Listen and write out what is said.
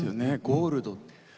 ゴールド。